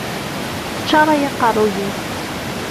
Ččaṛ ay aqeṛṛuy-iw!